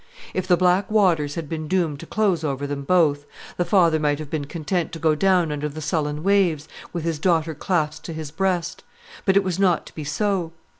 If the black waters had been doomed to close over them both, the father might have been content to go down under the sullen waves, with his daughter clasped to his breast. But it was not to be so.